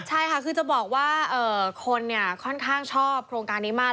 ใช่ค่ะคือจะบอกว่าคนค่อนข้างชอบโครงการนี้มาก